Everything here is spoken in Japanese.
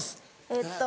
えっと